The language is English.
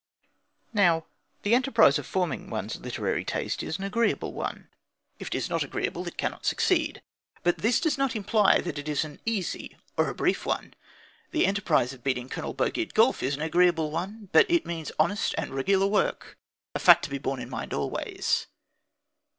Now the enterprise of forming one's literary taste is an agreeable one; if it is not agreeable it cannot succeed. But this does not imply that it is an easy or a brief one. The enterprise of beating Colonel Bogey at golf is an agreeable one, but it means honest and regular work. A fact to be borne in mind always!